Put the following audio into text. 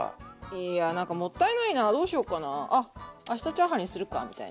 いや何かもったいないなどうしようかなあっ明日チャーハンにするかみたいな。